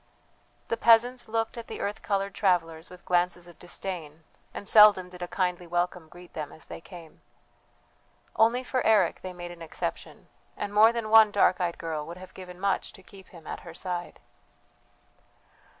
The peasants looked at the earth coloured travellers with glances of disdain; and seldom did a kindly welcome greet them as they came. Only for Eric they made an exception, and more than one dark eyed girl would have given much to keep him at her side.